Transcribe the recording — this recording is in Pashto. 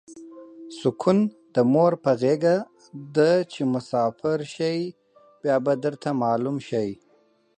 سوکون د مور په غیګه ده چی مسافر شی بیا به درته معلومه شی